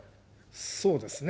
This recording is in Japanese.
そうですね。